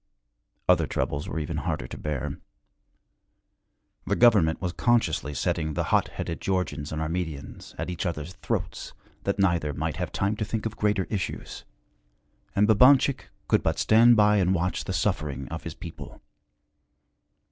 Other troubles were even harder to bear. The government was consciously setting the hot headed Georgians and Armenians at each other's throats, that neither might have time to think of greater issues. And Babanchik could but stand by and watch the suffering of his people.